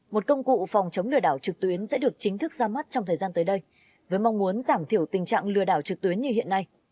một công cụ phòng chống lừa đảo trực tuyến sẽ được chính thức ra mắt trong thời gian tới đây với mong muốn giảm thiểu tình trạng lừa đảo trực tuyến như hiện nay